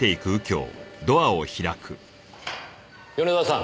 米沢さん